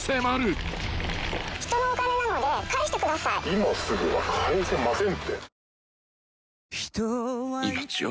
今すぐは返せませんって。